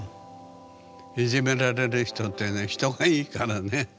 いじめられる人ってね人がいいからね